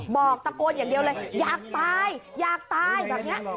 บอกตะโกนอย่างเดียวเลยอยากตายอยากตายแบบนี้